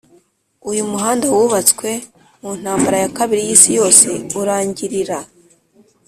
Uyu muhanda wubatswe mu Ntambara ya Kabiri yisi Yose urangirira